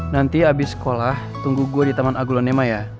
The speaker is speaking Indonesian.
nanti abis sekolah tunggu gue di taman aglonema ya